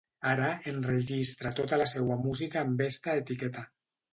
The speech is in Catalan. Ara, enregistra tota la seua música amb esta etiqueta.